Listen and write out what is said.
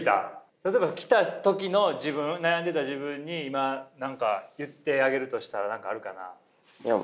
例えば来た時の自分悩んでいた自分に今何か言ってあげるとしたら何かあるかな？